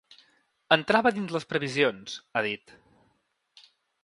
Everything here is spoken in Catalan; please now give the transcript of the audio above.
“Entrava dins les previsions”, ha dit.